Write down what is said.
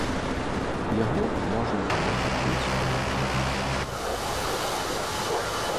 Яго можна было набыць у любой час.